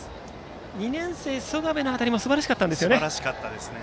２年生、曽我部の当たりもすばらしかったですが。